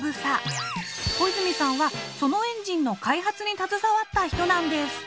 小泉さんはそのエンジンの開発に携わった人なんです。